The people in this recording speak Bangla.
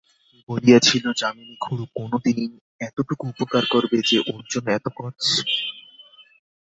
বলিয়াছিল, যামিনী খুড়ো কোনোদিন এতটুকু উপকার করবে যে ওর জন্য এত কছ?